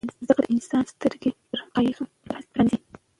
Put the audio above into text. زده کړه د انسان سترګې پر حقایضو پرانیزي.